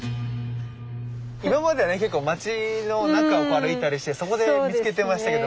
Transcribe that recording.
結構街の中を歩いたりしてそこで見つけてましたけど。